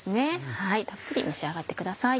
たっぷり召し上がってください。